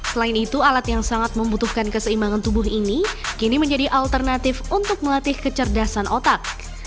selain itu alat yang sangat membutuhkan keseimbangan tubuh ini kini menjadi alternatif untuk melatih kecerdasan otak